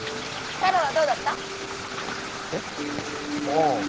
たろーはどうだった？えっ？あぁ。